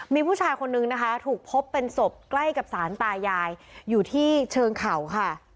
มีผู้ชายคนนึงนะคะถูกพบเป็นศพใกล้กับสารตายายอยู่ที่เชิงเขาค่ะ